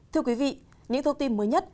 thưa quý vị những thông tin mới nhất